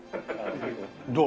どう？